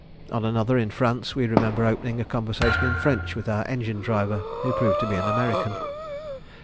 On another, in France, we remember opening a conversation in French with our engine driver, who proved to be an American.